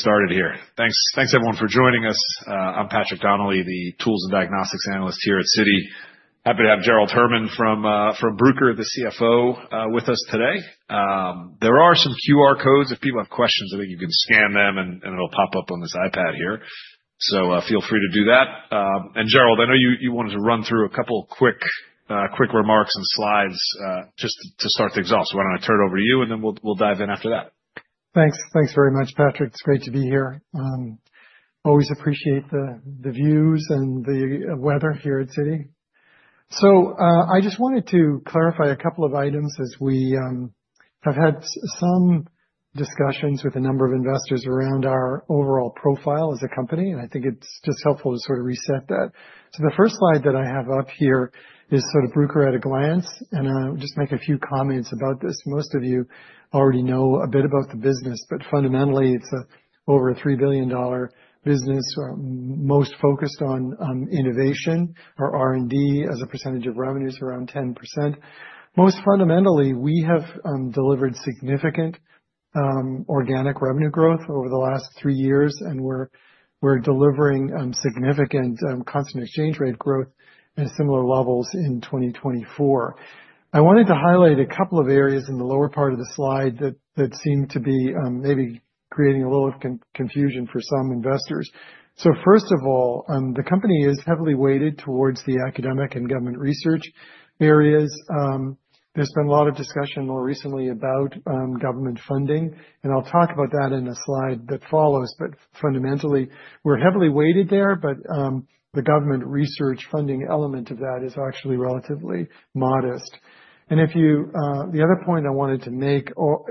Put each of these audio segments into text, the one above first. Started here. Thanks, thanks everyone for joining us. I'm Patrick Donnelly, the Tools and Diagnostics Analyst here at Citi. Happy to have Gerald Herman from Bruker, the CFO, with us today. There are some QR codes. If people have questions, I think you can scan them and it'll pop up on this iPad here. So feel free to do that. And Gerald, I know you wanted to run through a couple of quick remarks and slides just to start us off. Why don't I turn it over to you and then we'll dive in after that? Thanks. Thanks very much, Patrick. It's great to be here. Always appreciate the views and the weather here at Citi. So I just wanted to clarify a couple of items as we have had some discussions with a number of investors around our overall profile as a company. And I think it's just helpful to sort of reset that. So the first slide that I have up here is sort of Bruker at a glance. And I'll just make a few comments about this. Most of you already know a bit about the business, but fundamentally it's over a $3 billion business, most focused on innovation or R&D as a percentage of revenues, around 10%. Most fundamentally, we have delivered significant organic revenue growth over the last three years, and we're delivering significant constant exchange rate growth at similar levels in 2024. I wanted to highlight a couple of areas in the lower part of the slide that seem to be maybe creating a little confusion for some investors. So first of all, the company is heavily weighted towards the academic and government research areas. There's been a lot of discussion more recently about government funding, and I'll talk about that in the slide that follows. But fundamentally, we're heavily weighted there, but the government research funding element of that is actually relatively modest. And the other point I wanted to make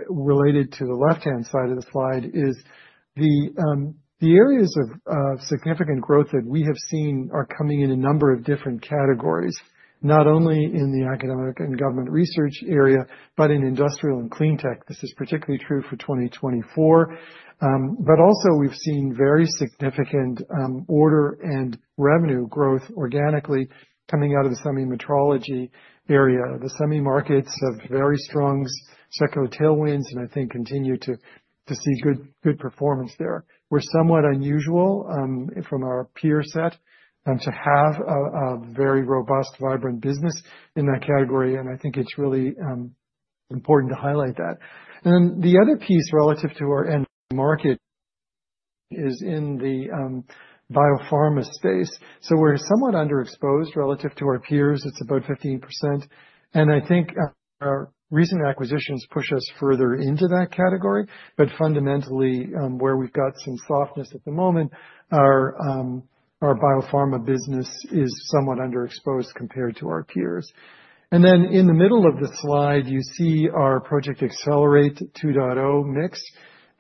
related to the left-hand side of the slide is the areas of significant growth that we have seen are coming in a number of different categories, not only in the academic and government research area, but in industrial and cleantech. This is particularly true for 2024. But also we've seen very significant order and revenue growth organically coming out of the semi metrology area. The semi markets have very strong secular tailwinds and I think continue to see good performance there. We're somewhat unusual from our peer set to have a very robust, vibrant business in that category. And I think it's really important to highlight that. And then the other piece relative to our end market is in the biopharma space. So we're somewhat underexposed relative to our peers. It's about 15%. And I think our recent acquisitions push us further into that category. But fundamentally, where we've got some softness at the moment, our biopharma business is somewhat underexposed compared to our peers. And then in the middle of the slide, you see our Project Accelerate 2.0 mix.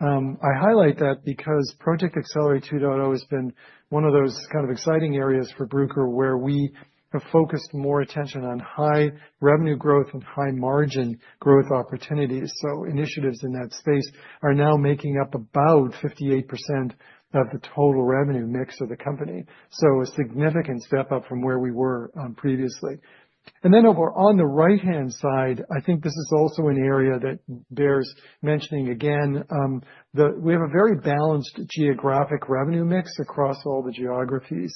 I highlight that because Project Accelerate 2.0 has been one of those kind of exciting areas for Bruker where we have focused more attention on high revenue growth and high margin growth opportunities. Initiatives in that space are now making up about 58% of the total revenue mix of the company. A significant step up from where we were previously. Over on the right-hand side, I think this is also an area that bears mentioning again. We have a very balanced geographic revenue mix across all the geographies.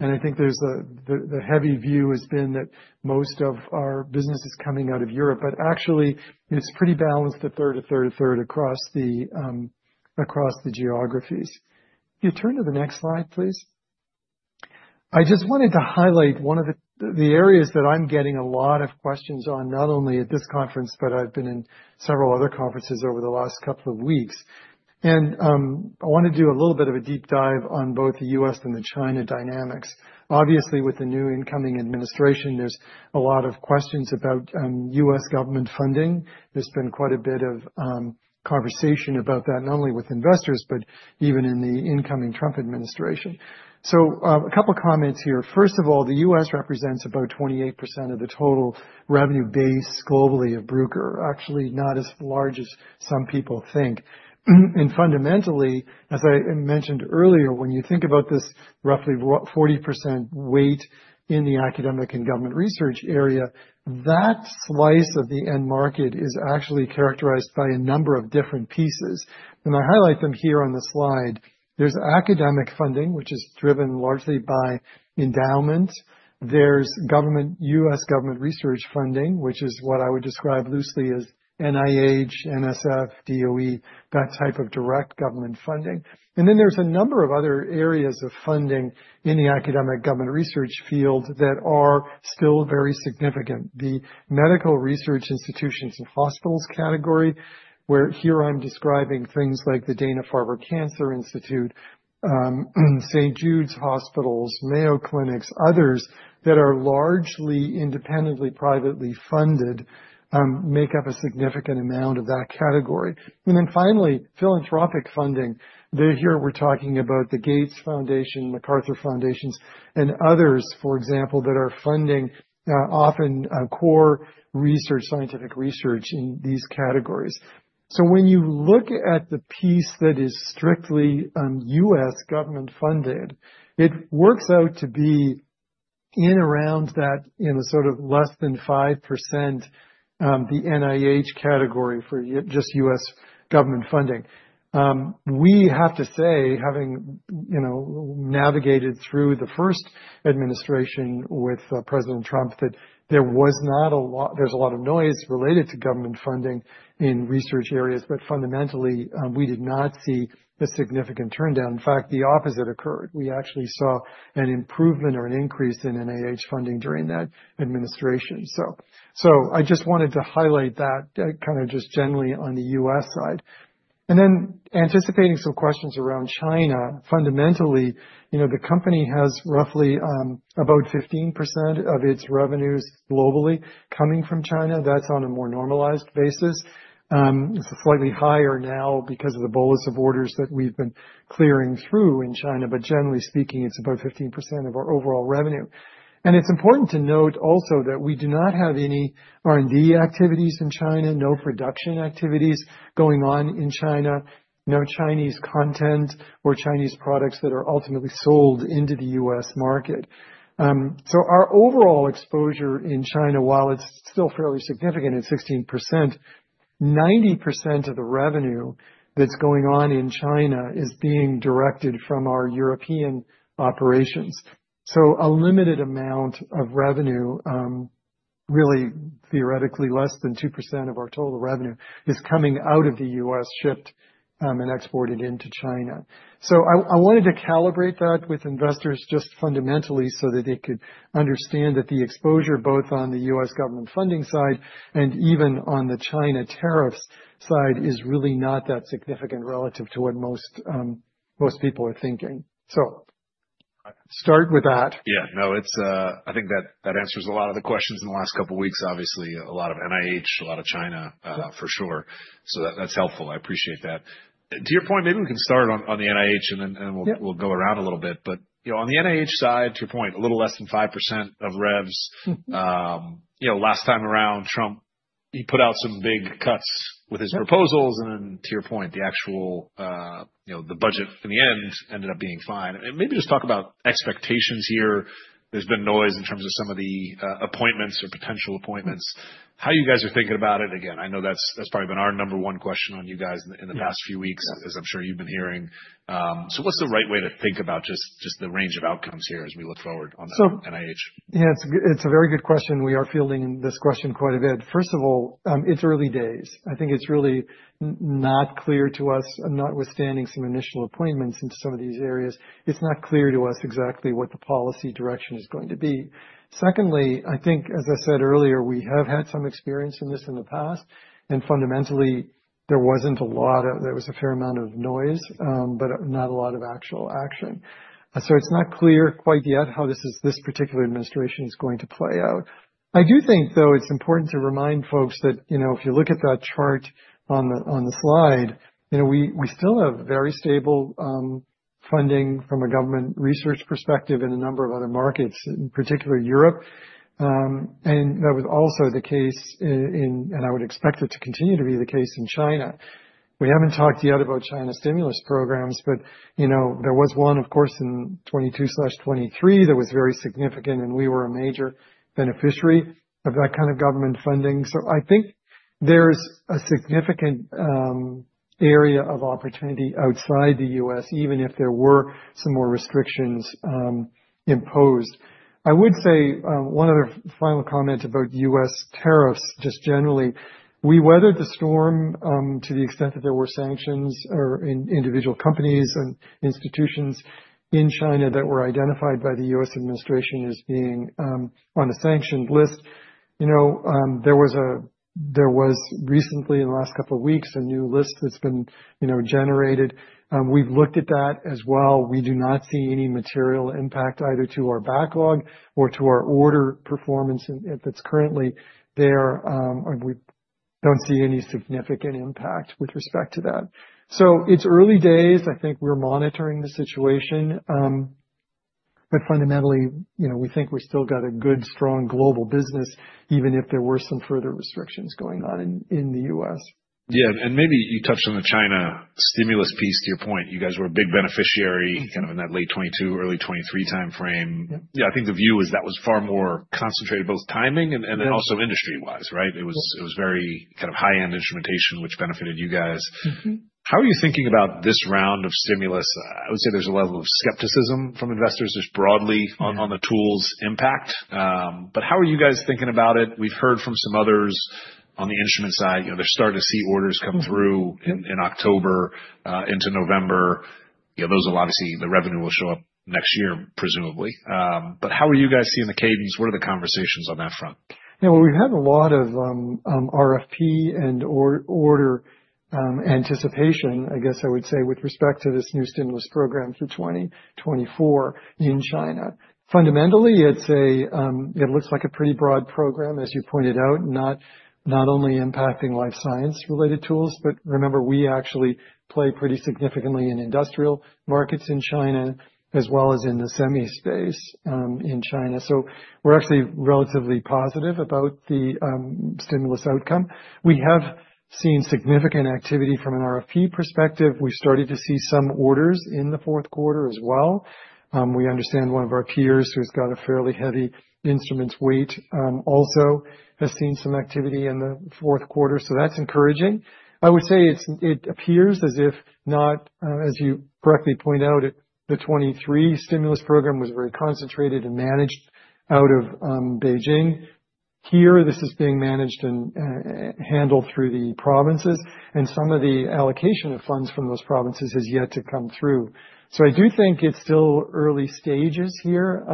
I think the heavy view has been that most of our business is coming out of Europe, but actually it's pretty balanced, a third, a third, a third, across the geographies. If you turn to the next slide, please. I just wanted to highlight one of the areas that I'm getting a lot of questions on, not only at this conference, but I've been in several other conferences over the last couple of weeks, and I want to do a little bit of a deep dive on both the U.S. and the China dynamics. Obviously, with the new incoming administration, there's a lot of questions about U.S. government funding. There's been quite a bit of conversation about that, not only with investors, but even in the incoming Trump administration, so a couple of comments here. First of all, the U.S. represents about 28% of the total revenue base globally of Bruker, actually not as large as some people think. Fundamentally, as I mentioned earlier, when you think about this roughly 40% weight in the academic and government research area, that slice of the end market is actually characterized by a number of different pieces. And I highlight them here on the slide. There's academic funding, which is driven largely by endowments. There's U.S. government research funding, which is what I would describe loosely as NIH, NSF, DOE, that type of direct government funding. And then there's a number of other areas of funding in the academic government research field that are still very significant. The medical research institutions and hospitals category, where here I'm describing things like the Dana-Farber Cancer Institute, St. Jude's Hospitals, Mayo Clinics, others that are largely independently, privately funded, make up a significant amount of that category. And then finally, philanthropic funding. Here we're talking about the Gates Foundation, MacArthur Foundations, and others, for example, that are funding often core research, scientific research in these categories. So when you look at the piece that is strictly U.S. government funded, it works out to be in around that, in a sort of less than 5%, the NIH category for just U.S. government funding. We have to say, having navigated through the first administration with President Trump, that there was not a lot, there's a lot of noise related to government funding in research areas, but fundamentally we did not see a significant turndown. In fact, the opposite occurred. We actually saw an improvement or an increase in NIH funding during that administration. So I just wanted to highlight that kind of just generally on the U.S. side. And then, anticipating some questions around China, fundamentally, the company has roughly about 15% of its revenues globally coming from China. That's on a more normalized basis. It's slightly higher now because of the bolus of orders that we've been clearing through in China. But generally speaking, it's about 15% of our overall revenue. And it's important to note also that we do not have any R&D activities in China, no production activities going on in China, no Chinese content or Chinese products that are ultimately sold into the U.S. market. So our overall exposure in China, while it's still fairly significant at 16%, 90% of the revenue that's going on in China is being directed from our European operations. So a limited amount of revenue, really theoretically less than 2% of our total revenue, is coming out of the U.S., shipped and exported into China. So I wanted to calibrate that with investors just fundamentally so that they could understand that the exposure both on the U.S. government funding side and even on the China tariffs side is really not that significant relative to what most people are thinking. So start with that. Yeah, no, I think that answers a lot of the questions in the last couple of weeks. Obviously, a lot of NIH, a lot of China for sure. So that's helpful. I appreciate that. To your point, maybe we can start on the NIH and then we'll go around a little bit. But on the NIH side, to your point, a little less than 5% of revs. Last time around, Trump, he put out some big cuts with his proposals. And then to your point, the actual budget in the end ended up being fine. And maybe just talk about expectations here. There's been noise in terms of some of the appointments or potential appointments. How you guys are thinking about it? Again, I know that's probably been our number one question on you guys in the past few weeks, as I'm sure you've been hearing. What's the right way to think about just the range of outcomes here as we look forward on NIH? Yeah, it's a very good question. We are fielding this question quite a bit. First of all, it's early days. I think it's really not clear to us, notwithstanding some initial appointments into some of these areas. It's not clear to us exactly what the policy direction is going to be. Secondly, I think, as I said earlier, we have had some experience in this in the past, and fundamentally, there was a fair amount of noise, but not a lot of actual action, so it's not clear quite yet how this particular administration is going to play out. I do think, though, it's important to remind folks that if you look at that chart on the slide, we still have very stable funding from a government research perspective in a number of other markets, in particular Europe. That was also the case, and I would expect it to continue to be the case in China. We haven't talked yet about China stimulus programs, but there was one, of course, in 2022/2023 that was very significant, and we were a major beneficiary of that kind of government funding. So I think there's a significant area of opportunity outside the U.S., even if there were some more restrictions imposed. I would say one other final comment about U.S. tariffs just generally. We weathered the storm to the extent that there were sanctions or individual companies and institutions in China that were identified by the U.S. administration as being on the sanctioned list. There was recently, in the last couple of weeks, a new list that's been generated. We've looked at that as well. We do not see any material impact either to our backlog or to our order performance that's currently there. We don't see any significant impact with respect to that. So it's early days. I think we're monitoring the situation. But fundamentally, we think we've still got a good, strong global business, even if there were some further restrictions going on in the U.S. Yeah. And maybe you touched on the China stimulus piece to your point. You guys were a big beneficiary kind of in that late 2022, early 2023 timeframe. Yeah, I think the view was that was far more concentrated, both timing and then also industry-wise, right? It was very kind of high-end instrumentation, which benefited you guys. How are you thinking about this round of stimulus? I would say there's a level of skepticism from investors just broadly on the tools' impact. But how are you guys thinking about it? We've heard from some others on the instrument side. They're starting to see orders come through in October into November. Those will obviously, the revenue will show up next year, presumably. But how are you guys seeing the cadence? What are the conversations on that front? Yeah, well, we've had a lot of RFP and order anticipation, I guess I would say, with respect to this new stimulus program for 2024 in China. Fundamentally, it looks like a pretty broad program, as you pointed out, not only impacting life science-related tools, but remember, we actually play pretty significantly in industrial markets in China, as well as in the semi space in China. So we're actually relatively positive about the stimulus outcome. We have seen significant activity from an RFP perspective. We've started to see some orders in the fourth quarter as well. We understand one of our peers who has got a fairly heavy instruments weight also has seen some activity in the fourth quarter. So that's encouraging. I would say it appears as if not, as you correctly point out, the 2023 stimulus program was very concentrated and managed out of Beijing. Here, this is being managed and handled through the provinces, and some of the allocation of funds from those provinces has yet to come through, so I do think it's still early stages here.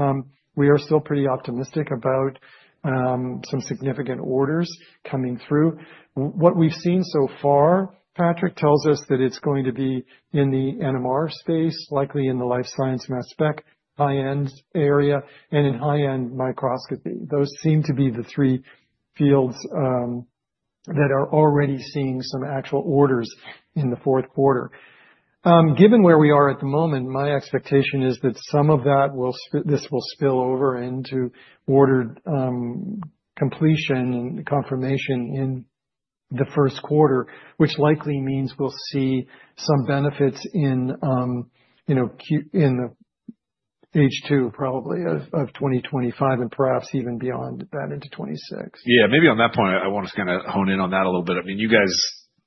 We are still pretty optimistic about some significant orders coming through. What we've seen so far, Patrick tells us that it's going to be in the NMR space, likely in the life science mass spec high-end area, and in high-end microscopy. Those seem to be the three fields that are already seeing some actual orders in the fourth quarter. Given where we are at the moment, my expectation is that some of that will spill over into order completion and confirmation in the first quarter, which likely means we'll see some benefits in Q2, probably of 2025, and perhaps even beyond that into 2026. Yeah, maybe on that point, I want to kind of hone in on that a little bit. I mean, you guys,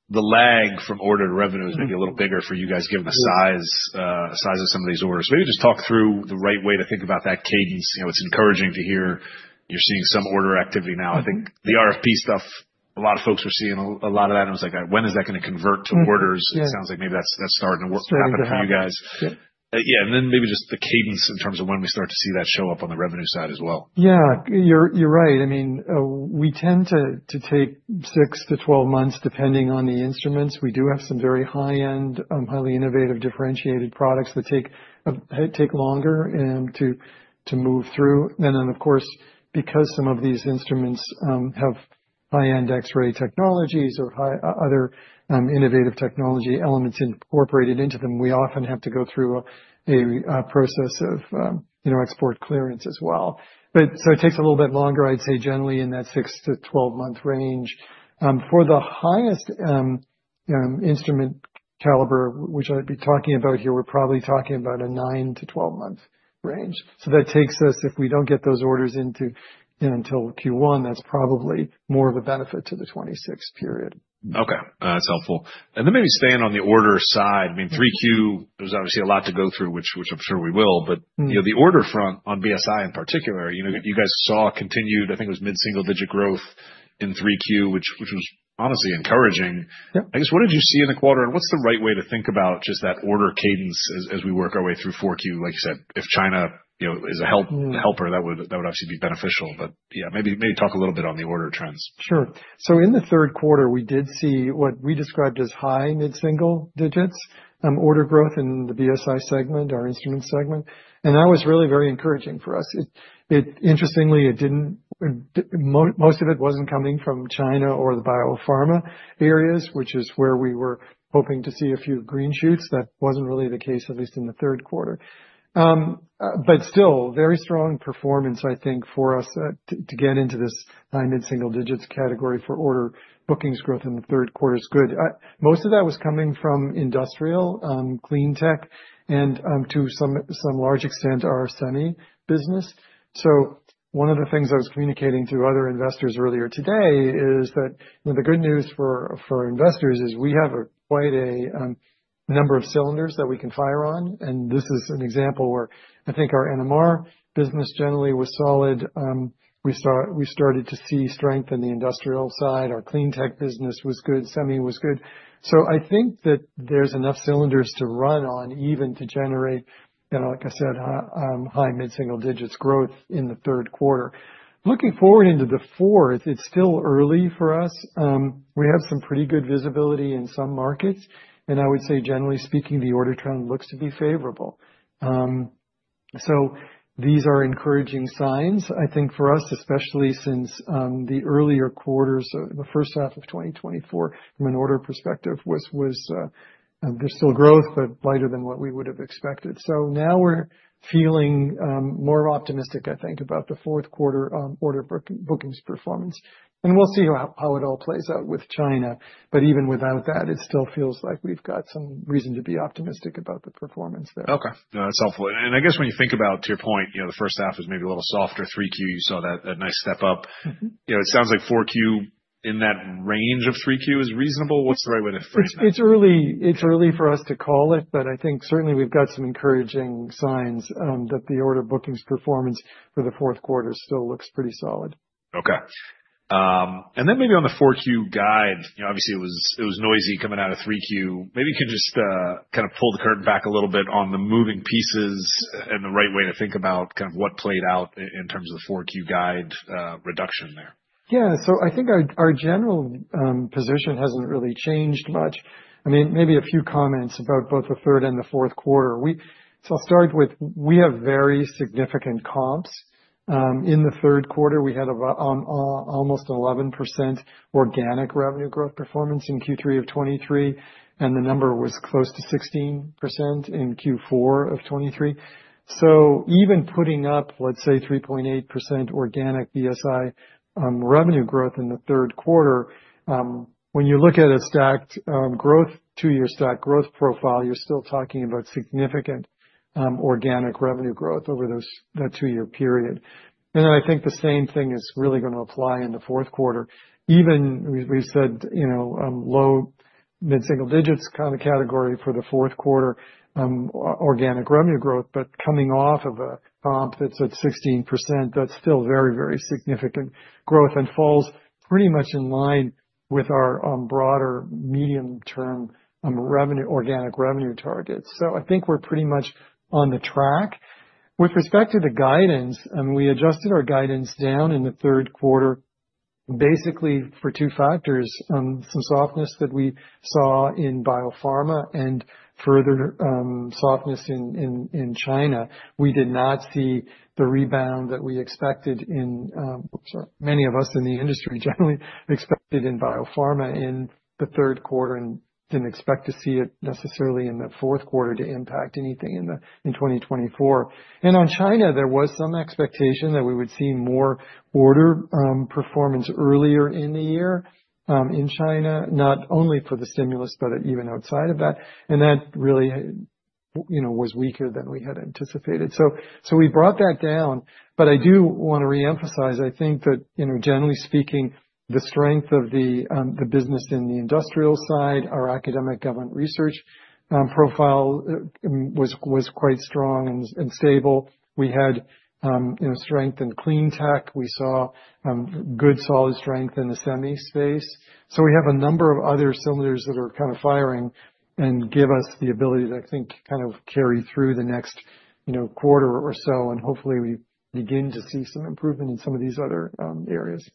the lag from ordered revenue is maybe a little bigger for you guys given the size of some of these orders. Maybe just talk through the right way to think about that cadence. It's encouraging to hear you're seeing some order activity now. I think the RFP stuff, a lot of folks were seeing a lot of that. And it was like, when is that going to convert to orders? It sounds like maybe that's starting to happen for you guys. Yeah. And then maybe just the cadence in terms of when we start to see that show up on the revenue side as well. Yeah, you're right. I mean, we tend to take six to 12 months depending on the instruments. We do have some very high-end, highly innovative differentiated products that take longer to move through. And then, of course, because some of these instruments have high-end X-ray technologies or other innovative technology elements incorporated into them, we often have to go through a process of export clearance as well. So it takes a little bit longer, I'd say, generally in that six to 12-month range. For the highest instrument caliber, which I'd be talking about here, we're probably talking about a nine to 12-month range. So that takes us, if we don't get those orders into until Q1, that's probably more of a benefit to the 2026 period. Okay. That's helpful. And then maybe staying on the order side, I mean, 3Q, there's obviously a lot to go through, which I'm sure we will. But the order front on BSI in particular, you guys saw continued, I think it was mid-single-digit growth in 3Q, which was honestly encouraging. I guess, what did you see in the quarter? And what's the right way to think about just that order cadence as we work our way through 4Q? Like you said, if China is a helper, that would obviously be beneficial. But yeah, maybe talk a little bit on the order trends. Sure. So in the third quarter, we did see what we described as high mid-single digits order growth in the BSI segment, our instrument segment. And that was really very encouraging for us. Interestingly, most of it wasn't coming from China or the biopharma areas, which is where we were hoping to see a few green shoots. That wasn't really the case, at least in the third quarter. But still, very strong performance, I think, for us to get into this high mid-single digits category for order bookings growth in the third quarter is good. Most of that was coming from industrial, cleantech, and to some large extent, our semi business. So one of the things I was communicating to other investors earlier today is that the good news for investors is we have quite a number of cylinders that we can fire on. This is an example where I think our NMR business generally was solid. We started to see strength in the industrial side. Our cleantech business was good. Semi was good. I think that there's enough cylinders to run on even to generate, like I said, high mid-single digits growth in the third quarter. Looking forward into the fourth, it's still early for us. We have some pretty good visibility in some markets. I would say, generally speaking, the order trend looks to be favorable. These are encouraging signs, I think, for us, especially since the earlier quarters, the first half of 2024, from an order perspective, there's still growth, but lighter than what we would have expected. Now we're feeling more optimistic, I think, about the fourth quarter order bookings performance. We'll see how it all plays out with China. But even without that, it still feels like we've got some reason to be optimistic about the performance there. Okay. No, that's helpful. And I guess when you think about, to your point, the first half is maybe a little softer, 3Q, you saw that nice step up. It sounds like 4Q in that range of 3Q is reasonable. What's the right way to frame that? It's early for us to call it, but I think certainly we've got some encouraging signs that the order bookings performance for the fourth quarter still looks pretty solid. Okay. And then maybe on the 4Q guide, obviously, it was noisy coming out of 3Q. Maybe you can just kind of pull the curtain back a little bit on the moving pieces and the right way to think about kind of what played out in terms of the 4Q guide reduction there. Yeah. So I think our general position hasn't really changed much. I mean, maybe a few comments about both the third and the fourth quarter. So I'll start with, we have very significant comps. In the third quarter, we had almost 11% organic revenue growth performance in Q3 of 2023. And the number was close to 16% in Q4 of 2023. So even putting up, let's say, 3.8% organic BSI revenue growth in the third quarter, when you look at a stacked growth, two-year stacked growth profile, you're still talking about significant organic revenue growth over that two-year period. And then I think the same thing is really going to apply in the fourth quarter. Even we've said low mid-single digits kind of category for the fourth quarter organic revenue growth, but coming off of a comp that's at 16%, that's still very, very significant growth and falls pretty much in line with our broader medium-term organic revenue targets. So I think we're pretty much on the track. With respect to the guidance, we adjusted our guidance down in the third quarter, basically for two factors, some softness that we saw in biopharma and further softness in China. We did not see the rebound that we expected in, sorry, many of us in the industry generally expected in biopharma in the third quarter and didn't expect to see it necessarily in the fourth quarter to impact anything in 2024. And on China, there was some expectation that we would see more order performance earlier in the year in China, not only for the stimulus, but even outside of that. And that really was weaker than we had anticipated. So we brought that down. But I do want to reemphasize, I think that, generally speaking, the strength of the business in the industrial side, our academic government research profile was quite strong and stable. We had strength in cleantech. We saw good solid strength in the semi space. So we have a number of other cylinders that are kind of firing and give us the ability to, I think, kind of carry through the next quarter or so. And hopefully, we begin to see some improvement in some of these other areas.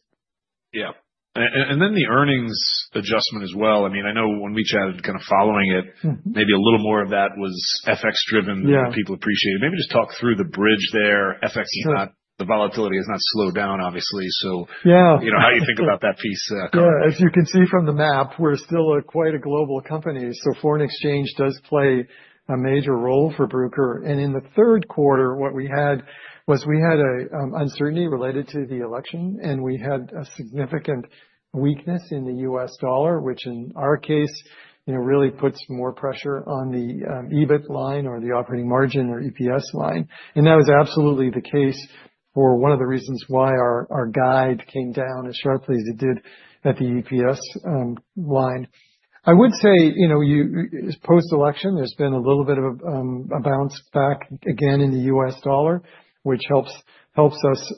Yeah. And then the earnings adjustment as well. I mean, I know when we chatted kind of following it, maybe a little more of that was FX-driven than people appreciated. Maybe just talk through the bridge there. FX is not, the volatility has not slowed down, obviously. So how do you think about that piece? Yeah. As you can see from the map, we're still quite a global company. So foreign exchange does play a major role for Bruker. And in the third quarter, what we had was an uncertainty related to the election, and we had a significant weakness in the U.S. dollar, which in our case really puts more pressure on the EBIT line or the operating margin or EPS line. And that was absolutely the case for one of the reasons why our guide came down as sharply as it did at the EPS line. I would say post-election, there's been a little bit of a bounce back again in the U.S. dollar, which helps us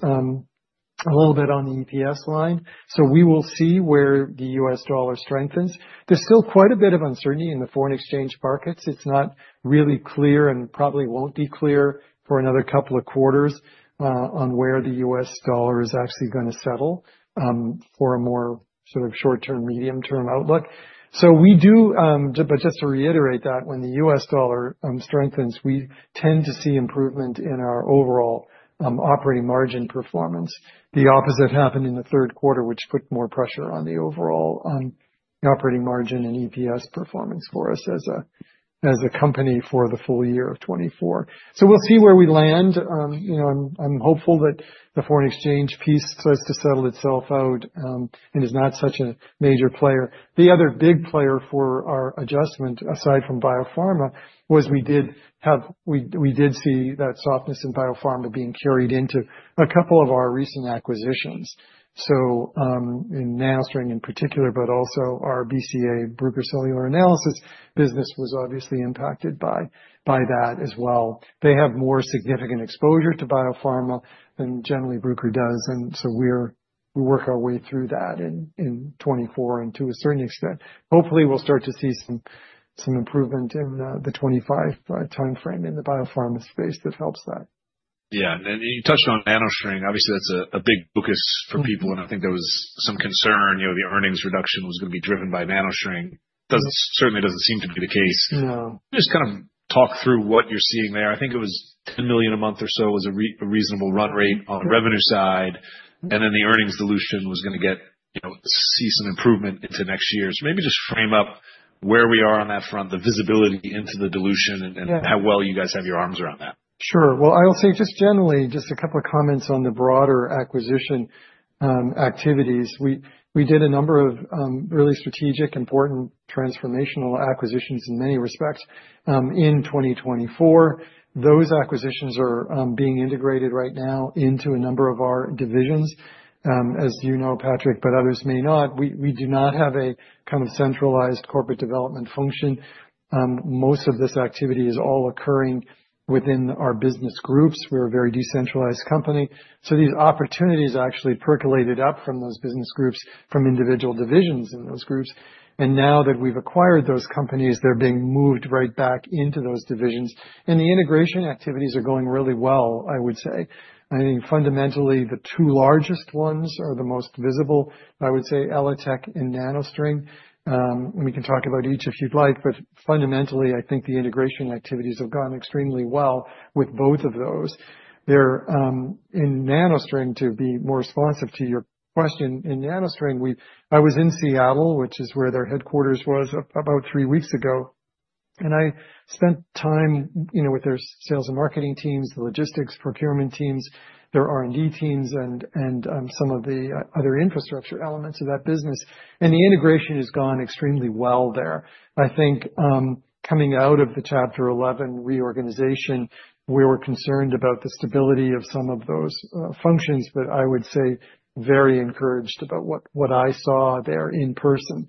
a little bit on the EPS line. So we will see where the U.S. dollar strengthens. There's still quite a bit of uncertainty in the foreign exchange markets. It's not really clear and probably won't be clear for another couple of quarters on where the U.S. dollar is actually going to settle for a more sort of short-term, medium-term outlook. So we do, but just to reiterate that when the U.S. dollar strengthens, we tend to see improvement in our overall operating margin performance. The opposite happened in the third quarter, which put more pressure on the overall operating margin and EPS performance for us as a company for the full year of 2024. So we'll see where we land. I'm hopeful that the foreign exchange piece starts to settle itself out and is not such a major player. The other big player for our adjustment, aside from biopharma, was we did see that softness in biopharma being carried into a couple of our recent acquisitions. In NanoString in particular, but also our BCA Bruker Cellular Analysis business was obviously impacted by that as well. They have more significant exposure to biopharma than generally Bruker does. So we work our way through that in 2024 and to a certain extent. Hopefully, we'll start to see some improvement in the 2025 timeframe in the biopharma space that helps that. Yeah. And then you touched on NanoString. Obviously, that's a big focus for people. And I think there was some concern the earnings reduction was going to be driven by NanoString. Certainly doesn't seem to be the case. Just kind of talk through what you're seeing there. I think it was $10 million a month or so was a reasonable run rate on the revenue side. And then the earnings dilution was going to see some improvement into next year's. Maybe just frame up where we are on that front, the visibility into the dilution and how well you guys have your arms around that. Sure, well, I'll say just generally, just a couple of comments on the broader acquisition activities. We did a number of really strategic, important transformational acquisitions in many respects in 2024. Those acquisitions are being integrated right now into a number of our divisions. As you know, Patrick, but others may not. We do not have a kind of centralized corporate development function. Most of this activity is all occurring within our business groups. We're a very decentralized company. So these opportunities actually percolated up from those business groups, from individual divisions in those groups. And now that we've acquired those companies, they're being moved right back into those divisions. And the integration activities are going really well, I would say. I think fundamentally, the two largest ones are the most visible, I would say, ELITech and NanoString. We can talk about each if you'd like, but fundamentally, I think the integration activities have gone extremely well with both of those. In NanoString, to be more responsive to your question, in NanoString, I was in Seattle, which is where their headquarters was about three weeks ago, and I spent time with their sales and marketing teams, the logistics, procurement teams, their R&D teams, and some of the other infrastructure elements of that business, and the integration has gone extremely well there. I think coming out of the Chapter 11 reorganization, we were concerned about the stability of some of those functions, but I would say very encouraged about what I saw there in person.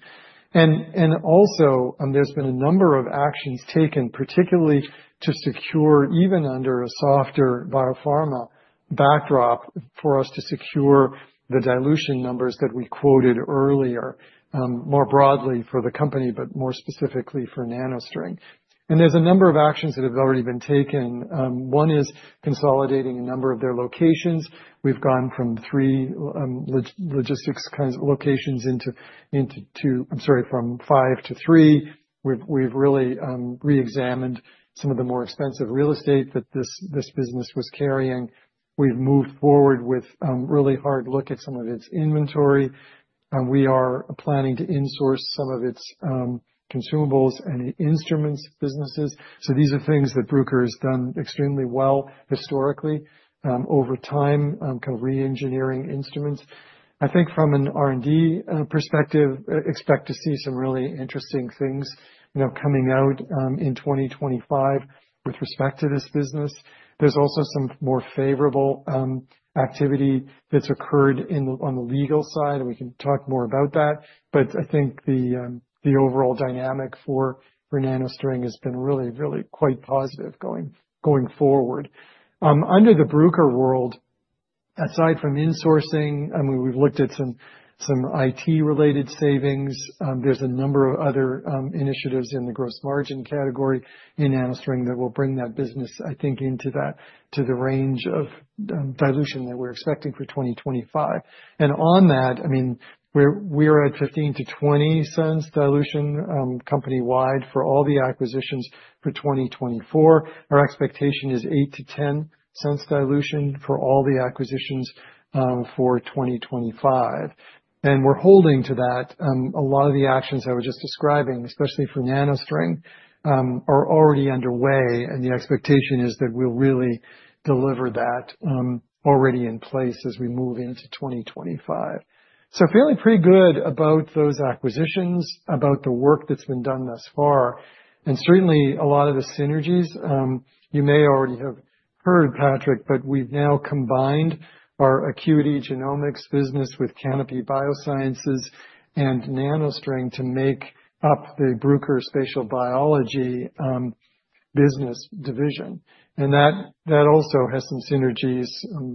Also, there's been a number of actions taken, particularly to secure, even under a softer biopharma backdrop, for us to secure the dilution numbers that we quoted earlier, more broadly for the company, but more specifically for NanoString. There's a number of actions that have already been taken. One is consolidating a number of their locations. We've gone from three logistics locations into two, I'm sorry, from five to three. We've really re-examined some of the more expensive real estate that this business was carrying. We've moved forward with a really hard look at some of its inventory. We are planning to insource some of its consumables and instruments businesses. These are things that Bruker has done extremely well historically. Over time, kind of re-engineering instruments. I think from an R&D perspective, expect to see some really interesting things coming out in 2025 with respect to this business. There's also some more favorable activity that's occurred on the legal side. We can talk more about that, but I think the overall dynamic for NanoString has been really, really quite positive going forward. Under the Bruker world, aside from insourcing, I mean, we've looked at some IT-related savings. There's a number of other initiatives in the gross margin category in NanoString that will bring that business, I think, into the range of dilution that we're expecting for 2025, and on that, I mean, we're at $0.15-$0.20 dilution company-wide for all the acquisitions for 2024. Our expectation is $0.08-$0.10 dilution for all the acquisitions for 2025, and we're holding to that. A lot of the actions I was just describing, especially for NanoString, are already underway, and the expectation is that we'll really deliver that already in place as we move into 2025, so feeling pretty good about those acquisitions, about the work that's been done thus far, and certainly a lot of the synergies. You may already have heard, Patrick, but we've now combined our Acuity Genomics business with Canopy Biosciences and NanoString to make up the Bruker Spatial Biology business division, and that also has some synergies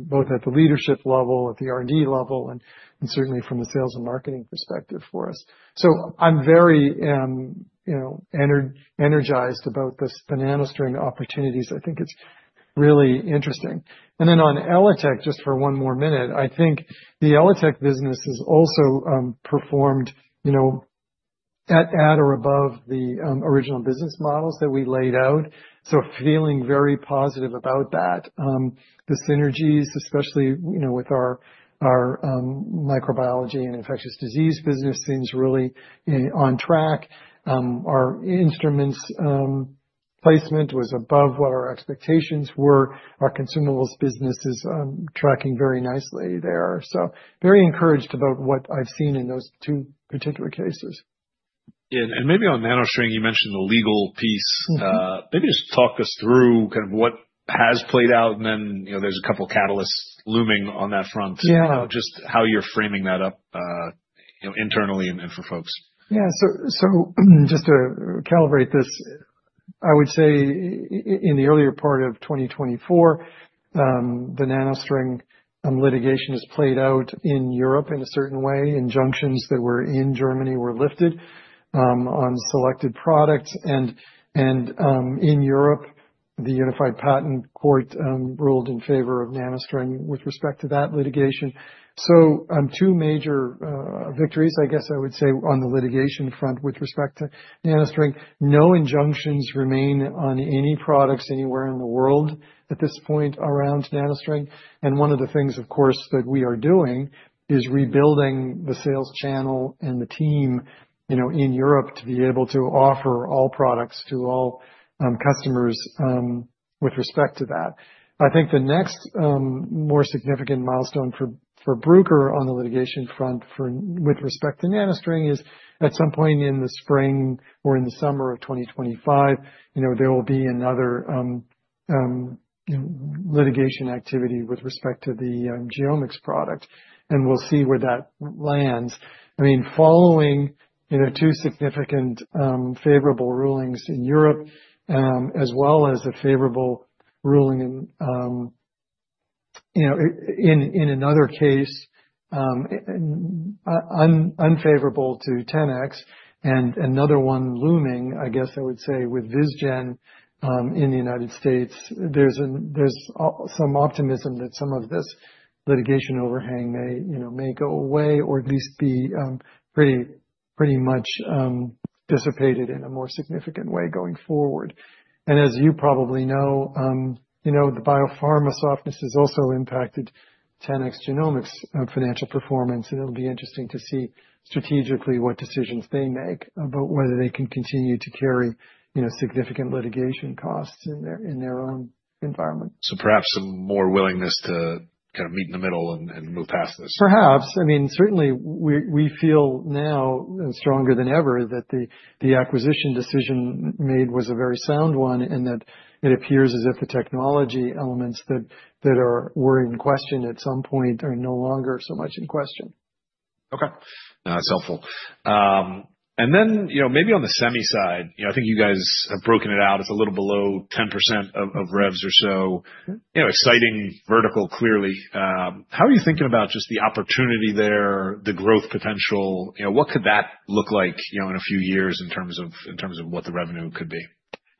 both at the leadership level, at the R&D level, and certainly from the sales and marketing perspective for us, so I'm very energized about the NanoString opportunities. I think it's really interesting, and then on ELITech, just for one more minute, I think the ELITech business has also performed at or above the original business models that we laid out. So feeling very positive about that. The synergies, especially with our microbiology and infectious disease business, seems really on track. Our instruments placement was above what our expectations were. Our consumables business is tracking very nicely there. So very encouraged about what I've seen in those two particular cases. Yeah, and maybe on NanoString, you mentioned the legal piece. Maybe just talk us through kind of what has played out, and then there's a couple of catalysts looming on that front. Just how you're framing that up internally and for folks. Yeah. So just to calibrate this, I would say in the earlier part of 2024, the NanoString litigation has played out in Europe in a certain way. Injunctions that were in Germany were lifted on selected products, and in Europe, the Unified Patent Court ruled in favor of NanoString with respect to that litigation, so two major victories, I guess I would say, on the litigation front with respect to NanoString. No injunctions remain on any products anywhere in the world at this point around NanoString, and one of the things, of course, that we are doing is rebuilding the sales channel and the team in Europe to be able to offer all products to all customers with respect to that. I think the next more significant milestone for Bruker on the litigation front with respect to NanoString is at some point in the spring or in the summer of 2025. There will be another litigation activity with respect to the GeoMx product. And we'll see where that lands. I mean, following two significant favorable rulings in Europe, as well as a favorable ruling in another case, unfavorable to 10, and another one looming, I guess I would say, with Vizgen in the United States, there's some optimism that some of this litigation overhang may go away or at least be pretty much dissipated in a more significant way going forward. And as you probably know, the biopharma softness has also impacted 10x Genomics' financial performance. And it'll be interesting to see strategically what decisions they make about whether they can continue to carry significant litigation costs in their own environment. So perhaps some more willingness to kind of meet in the middle and move past this. Perhaps. I mean, certainly, we feel now stronger than ever that the acquisition decision made was a very sound one and that it appears as if the technology elements that were in question at some point are no longer so much in question. Okay. That's helpful, and then maybe on the semi side, I think you guys have broken it out. It's a little below 10% of revs or so. Exciting vertical, clearly. How are you thinking about just the opportunity there, the growth potential? What could that look like in a few years in terms of what the revenue could be?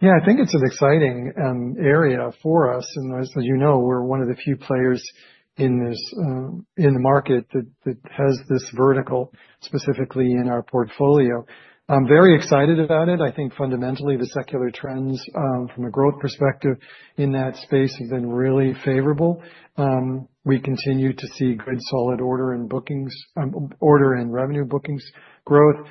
Yeah. I think it's an exciting area for us, and as you know, we're one of the few players in the market that has this vertical specifically in our portfolio. Very excited about it. I think fundamentally, the secular trends from a growth perspective in that space have been really favorable. We continue to see good solid order in revenue bookings growth,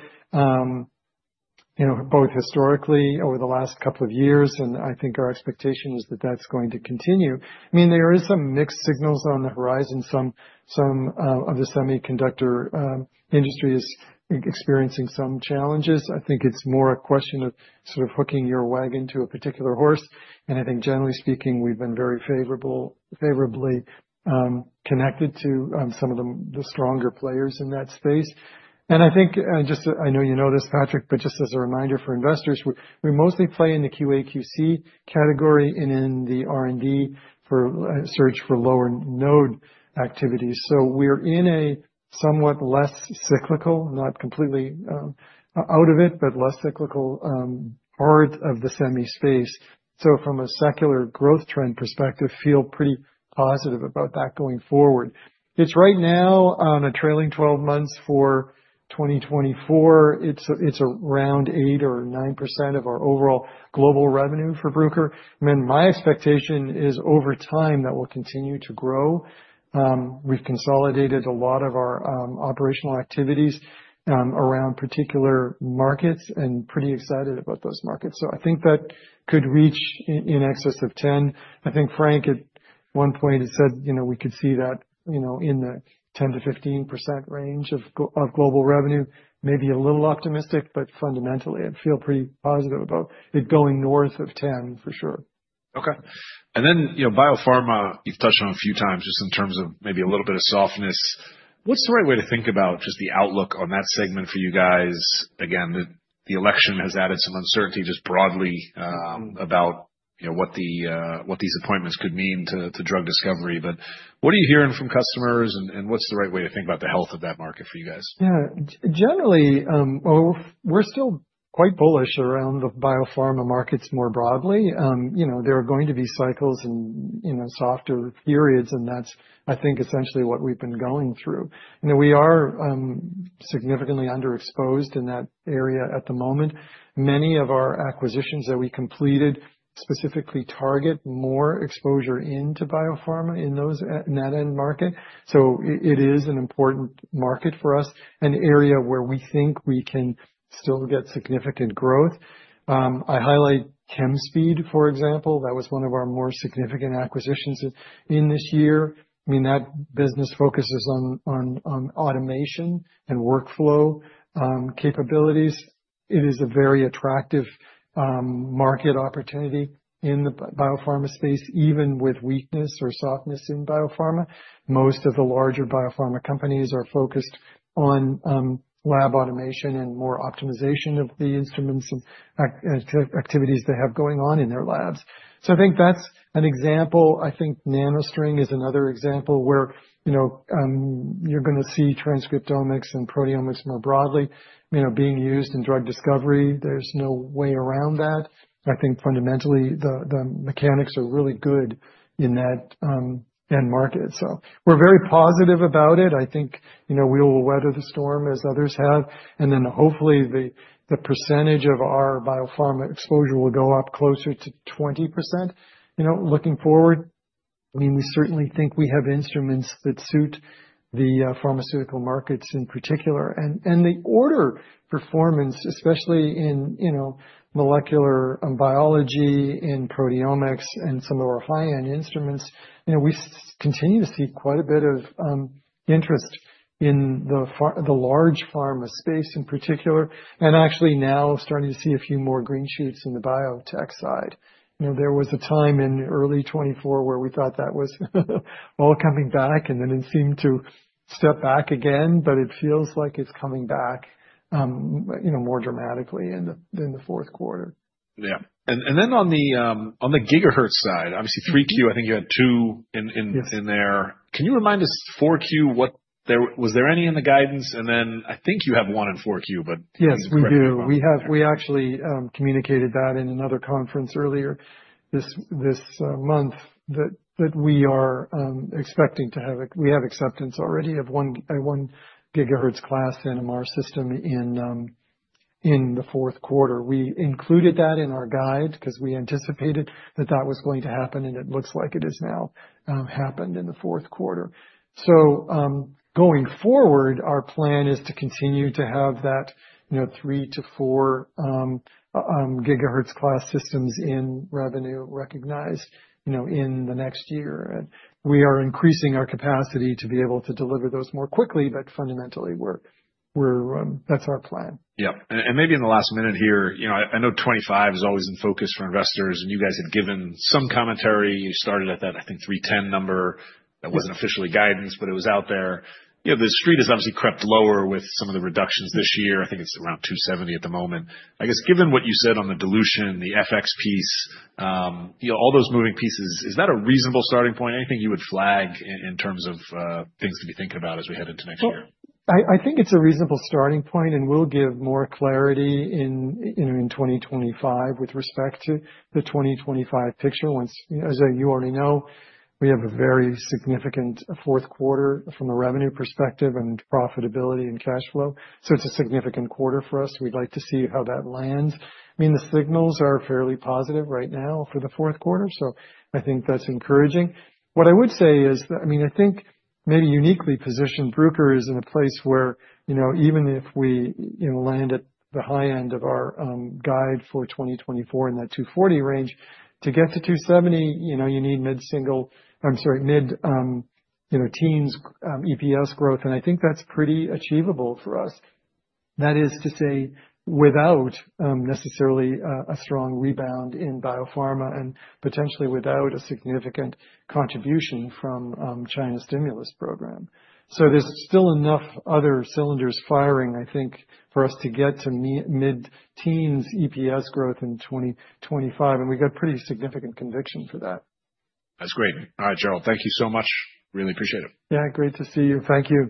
both historically over the last couple of years, and I think our expectation is that that's going to continue. I mean, there are some mixed signals on the horizon. Some of the semiconductor industry is experiencing some challenges. I think it's more a question of sort of hooking your wagon to a particular horse, and I think, generally speaking, we've been very favorably connected to some of the stronger players in that space. I think, just I know you know this, Patrick, but just as a reminder for investors, we mostly play in the QA/QC category and in the R&D for search for lower node activities. We're in a somewhat less cyclical, not completely out of it, but less cyclical part of the semi space. From a secular growth trend perspective, feel pretty positive about that going forward. It's right now on a trailing 12 months for 2024. It's around 8% or 9% of our overall global revenue for Bruker. I mean, my expectation is over time that will continue to grow. We've consolidated a lot of our operational activities around particular markets and pretty excited about those markets. I think that could reach in excess of 10%. I think Frank at one point had said we could see that in the 10%-15% range of global revenue. Maybe a little optimistic, but fundamentally, I feel pretty positive about it going north of 10 for sure. Okay. And then biopharma, you've touched on a few times just in terms of maybe a little bit of softness. What's the right way to think about just the outlook on that segment for you guys? Again, the election has added some uncertainty just broadly about what these appointments could mean to drug discovery. But what are you hearing from customers and what's the right way to think about the health of that market for you guys? Yeah. Generally, we're still quite bullish around the biopharma markets more broadly. There are going to be cycles and softer periods, and that's, I think, essentially what we've been going through. We are significantly underexposed in that area at the moment. Many of our acquisitions that we completed specifically target more exposure into biopharma in that end market, so it is an important market for us, an area where we think we can still get significant growth. I highlight Chemspeed, for example. That was one of our more significant acquisitions in this year. I mean, that business focuses on automation and workflow capabilities. It is a very attractive market opportunity in the biopharma space, even with weakness or softness in biopharma. Most of the larger biopharma companies are focused on lab automation and more optimization of the instruments and activities they have going on in their labs. So I think that's an example. I think NanoString is another example where you're going to see transcriptomics and proteomics more broadly being used in drug discovery. There's no way around that. I think fundamentally, the mechanics are really good in that end market. So we're very positive about it. I think we will weather the storm as others have. And then hopefully, the percentage of our biopharma exposure will go up closer to 20%. Looking forward, I mean, we certainly think we have instruments that suit the pharmaceutical markets in particular. And the order performance, especially in molecular biology, in proteomics, and some of our high-end instruments, we continue to see quite a bit of interest in the large pharma space in particular, and actually now starting to see a few more green shoots in the biotech side. There was a time in early 2024 where we thought that was all coming back, and then it seemed to step back again, but it feels like it's coming back more dramatically in the fourth quarter. Yeah. And then on the gigahertz side, obviously, 3Q, I think you had two in there. Can you remind us, 4Q, was there any in the guidance? And then I think you have one in 4Q, but. Yes, we do. We actually communicated that in another conference earlier this month that we are expecting to have acceptance already of one gigahertz class NMR system in the fourth quarter. We included that in our guide because we anticipated that was going to happen, and it looks like it has now happened in the fourth quarter. So going forward, our plan is to continue to have that three to four gigahertz class systems in revenue recognized in the next year. We are increasing our capacity to be able to deliver those more quickly, but fundamentally, that's our plan. Yep. And maybe in the last minute here, I know 25 is always in focus for investors, and you guys had given some commentary. You started at that, I think, 310 number. That wasn't officially guidance, but it was out there. The street has obviously crept lower with some of the reductions this year. I think it's around 270 at the moment. I guess given what you said on the dilution, the FX piece, all those moving pieces, is that a reasonable starting point? Anything you would flag in terms of things to be thinking about as we head into next year? I think it's a reasonable starting point, and we'll give more clarity in 2025 with respect to the 2025 picture. As you already know, we have a very significant fourth quarter from a revenue perspective and profitability and cash flow. It's a significant quarter for us. We'd like to see how that lands. I mean, the signals are fairly positive right now for the fourth quarter. I think that's encouraging. What I would say is, I mean, I think maybe uniquely positioned Bruker is in a place where even if we land at the high end of our guide for 2024 in that 240 range, to get to 270, you need mid-single, I'm sorry, mid-teens EPS growth. I think that's pretty achievable for us. That is to say without necessarily a strong rebound in biopharma and potentially without a significant contribution from China's stimulus program. So there's still enough other cylinders firing, I think, for us to get to mid-teens EPS growth in 2025. And we got pretty significant conviction for that. That's great. All right, Gerald, thank you so much. Really appreciate it. Yeah, great to see you. Thank you.